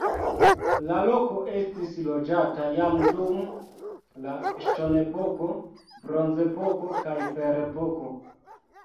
La loko estis loĝata jam dum la ŝtonepoko, bronzepoko kaj ferepoko.